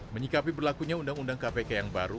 menyikapi berlakunya undang undang kpk yang baru